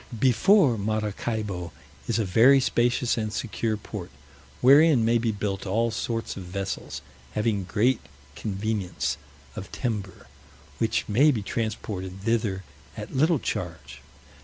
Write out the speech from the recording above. Before Maracaibo is a very spacious and secure port, wherein may be built all sorts of vessels, having great convenience of timber, which may be transported thither at little charge.